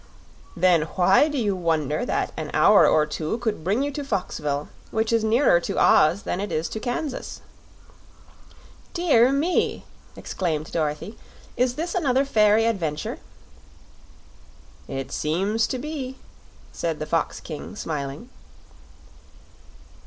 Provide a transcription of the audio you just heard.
"Then why do you wonder that an hour or two could bring you to Foxville, which is nearer to Oz than it is to Kansas?" "Dear me!" exclaimed Dorothy; "is this another fairy adventure?" "It seems to be," said the Fox King, smiling.